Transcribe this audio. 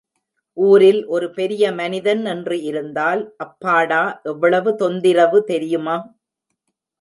ஊரில் ஒரு பெரியமனிதன் என்று இருந்தால், அப்பாடா எவ்வளவு தொந்திரவு தெரியுமா?